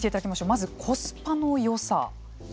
まず、コスパのよさ。